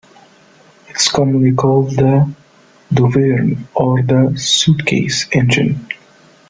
It is commonly called the "Douvrin" or the "Suitcase" engine.